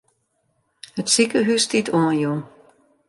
It sikehús stiet oanjûn.